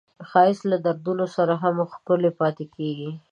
ښایست له دردونو سره هم ښکلی پاتې کېږي